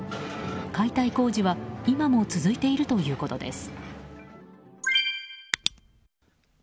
解体工事は今も続いているということです。